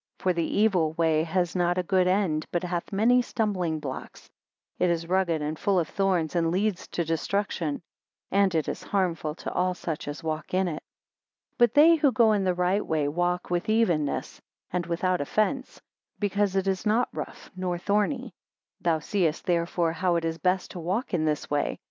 For the evil way has not a good end, but hath many stumbling blocks; it is rugged and full of thorns, and leads to destruction; and it is hurtful to all such as walk in it. 5 But they who go in the right way walk with evenness, and without offence; because it is not rough nor thorny. 6 Thou seest therefore how it is best to walk in this way.